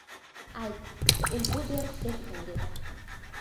— Ayt, ulgu berib ketsin, — dedi.